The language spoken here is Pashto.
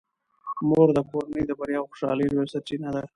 مور د کورنۍ د بریا او خوشحالۍ لویه سرچینه ده.